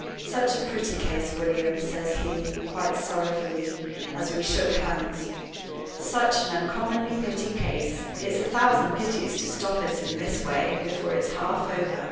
"Such a pretty case, William," says he, quite sorrowfully, as we shook hands "such an uncommonly pretty case it's a thousand pities to stop it, in this way, before it's half over!"